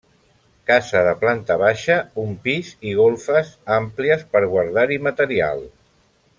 Casa de planta baixa, un pis i golfes àmplies per guardar-hi material.